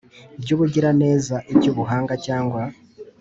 By ubugiraneza iby ubuhanga cyangwa